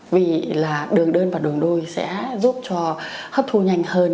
vì là đường đơn và đường đôi sẽ giúp cho hấp thu nhanh hơn